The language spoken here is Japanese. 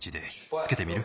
つけてみる？